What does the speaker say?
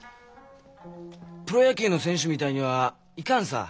プロ野球の選手みたいにはいかんさぁ。